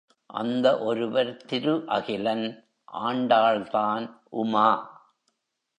அந்த ஒருவர் திரு அகிலன்! ஆண்டாள்தான் உமா!